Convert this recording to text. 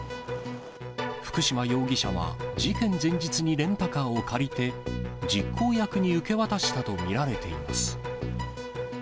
福島容疑者は、事件前日にレンタカーを借りて、実行役に受け渡したと見られています。